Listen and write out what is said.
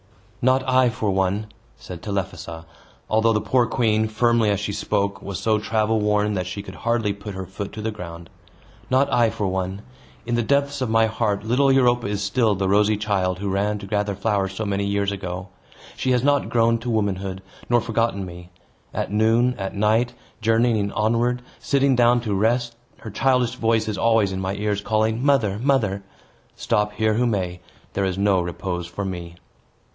"Not I, for one," said Telephassa; although the poor queen, firmly as she spoke, was so travel worn that she could hardly put her foot to the ground. "Not I, for one! In the depths of my heart, little Europa is still the rosy child who ran to gather flowers so many years ago. She has not grown to womanhood, nor forgotten me. At noon, at night, journeying onward, sitting down to rest, her childish voice is always in my ears, calling, 'Mother! mother!' Stop here who may, there is no repose for me."